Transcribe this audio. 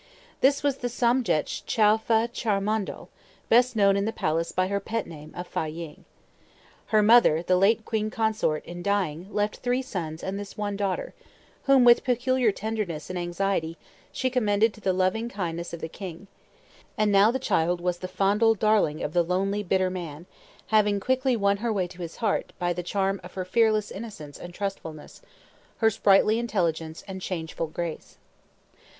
This was the Somdetch Chowfa Chandrmondol, best known in the palace by her pet name of Fâ ying. Her mother, the late queen consort, in dying, left three sons and this one daughter, whom, with peculiar tenderness and anxiety, she commended to the loving kindness of the king; and now the child was the fondled darling of the lonely, bitter man, having quickly won her way to his heart by the charm of her fearless innocence and trustfulness, her sprightly intelligence and changeful grace.